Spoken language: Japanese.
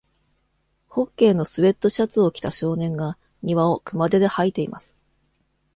ホッケーのスウェットシャツを着た少年が庭を熊手で掃いています。